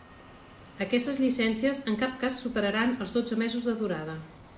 Aquestes llicències en cap cas superaran els dotze mesos de durada.